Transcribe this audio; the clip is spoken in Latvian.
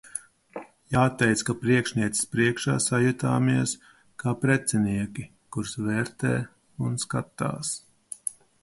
Jāteic, ka priekšnieces priekšā sajutāmies kā precinieki, kurus vērtē un skatās.